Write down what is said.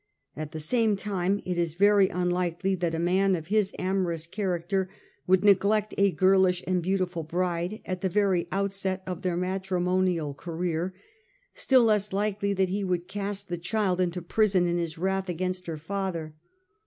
At the same time, it is very unlikely that a man of his amorous character 72 STUPOR MUNDI would neglect a girlish and beautiful bride at the very outset of their matrimonial career : still less likely that he would cast the child into prison in his wrath against her father.